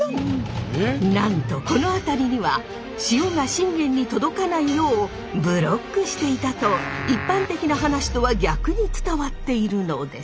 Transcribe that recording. なんとこの辺りには塩が信玄に届かないようブロックしていたと一般的な話とは逆に伝わっているのです。